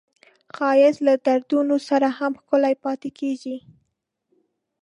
ښایست له دردونو سره هم ښکلی پاتې کېږي